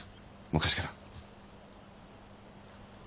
昔から。